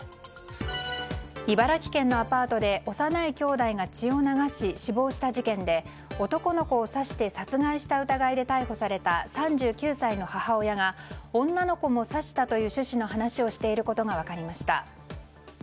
茨城県のアパートで幼い兄妹が血を流し、死亡した事件で男の子を刺して殺害した疑いで逮捕された３９歳の母親が女の子も刺したという趣旨の話をしていることが分かりました。